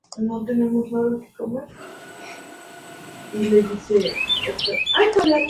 La maniobra es realizada por un motor de cohete.